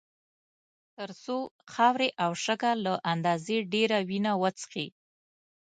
تر څو خاورې او شګه له اندازې ډېره وینه وڅښي.